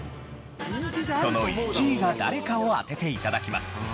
その１位が誰かを当てて頂きます。